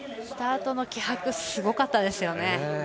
スタートの気迫すごかったですよね。